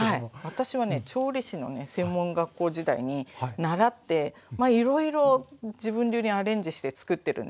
私はね調理師の専門学校時代に習ってまあいろいろ自分流にアレンジしてつくってるんですけど。